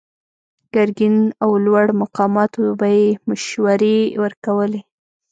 ګرګين او لوړو مقاماتو ته به يې مشورې ورکولې.